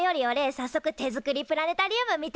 さっそく手作りプラネタリウム見てえぞ！